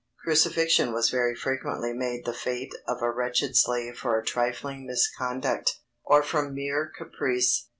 Crucifixion was very frequently made the fate of a wretched slave for a trifling misconduct, or from mere caprice.